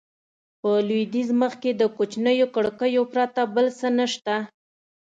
په لوېدیځ مخ کې د کوچنیو کړکیو پرته بل څه نه شته.